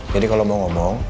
jadi kalau mau ngomong